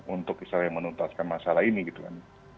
untuk misalnya menuntaskan masalah ini gitu kan